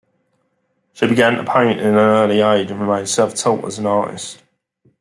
She began to paint in an early age and remained self-taught as an artist.